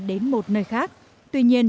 đến một nơi khác tuy nhiên